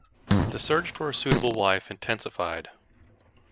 The search for a suitable wife intensified.